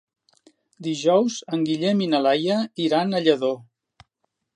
Dijous en Guillem i na Laia iran a Lladó.